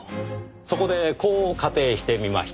そこでこう仮定してみました。